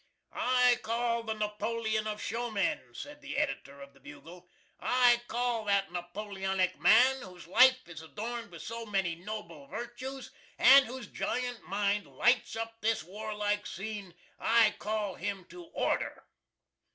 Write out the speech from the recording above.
"I call the Napoleon of Showmen," said the Editor of the "Bugle," "I call that Napoleonic man, whose life is adorned with so many noble virtues, and whose giant mind lights up this warlike scene I call him to order."